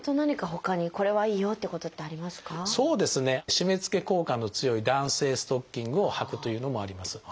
締めつけ効果の強い弾性ストッキングをはくというのもあります。